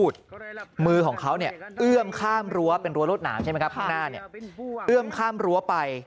ทางหน้าเนี่ยเอื้อมข้ามรั้วไป